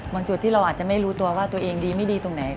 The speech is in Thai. จุดที่เราอาจจะไม่รู้ตัวว่าตัวเองดีไม่ดีตรงไหน